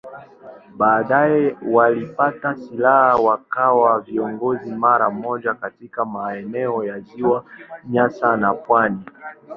Baadaye walipata silaha wakawa viongozi mara moja katika maeneo ya Ziwa Nyasa na pwani.